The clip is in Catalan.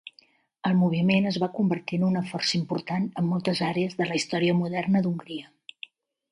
El moviment es va convertir en una força important en moltes àrees de la història moderna d'Hongria.